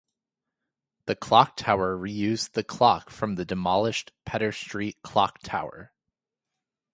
The Clock Tower reused the clock from the demolished Pedder Street Clock Tower.